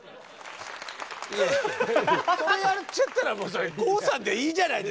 いやいやそれやっちゃったらもう郷さんでいいじゃないですか。